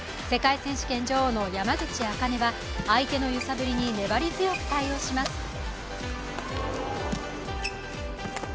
世界選手権女王の山口茜は相手の揺さぶりに粘り強く対応します。